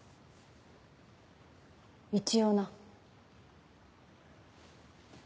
一応な。